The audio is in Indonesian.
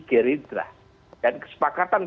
gerindra dan kesepakatan